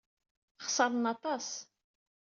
Xeṣren aṭas!